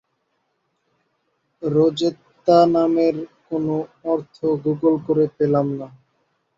রোজেত্তা নামের কোন অর্থ গুগল করে পেলাম না।